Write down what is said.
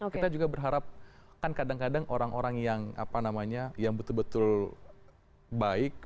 kita juga berharap kan kadang kadang orang orang yang betul betul baik